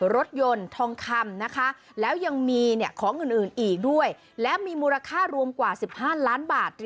รถยนต์ทองคำนะคะแล้วยังมีของอื่นอีกด้วยและมีมูลค่ารวมกว่า๑๕ล้านบาท